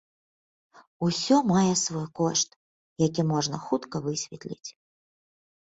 Усё мае свой кошт, які можна хутка высветліць.